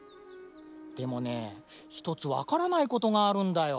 でもねひとつわからないことがあるんだよ。